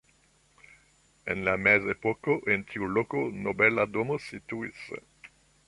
En la mezepoko en tiu loko nobela domo situis.